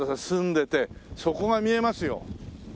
澄んでて底が見えますよ。